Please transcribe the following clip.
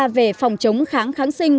về phòng chống kháng kháng sinh